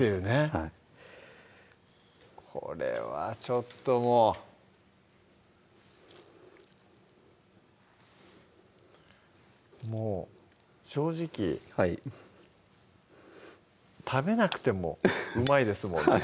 はいこれはちょっともうもう正直はい食べなくてもうまいですもんね